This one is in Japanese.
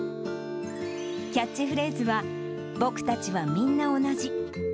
キャッチフレーズは、僕たちはみんな同じ。